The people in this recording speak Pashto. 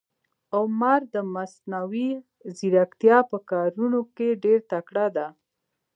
عمر د مصنوي ځیرکتیا په کارونه کې ډېر تکړه ده.